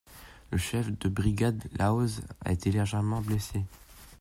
Le chef de brigade Lahoz a été légèrement blessé.